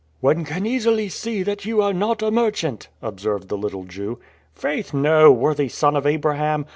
"One can easily see that you are not a merchant," observed the little Jew. "Faith, no, worthy son of Abraham!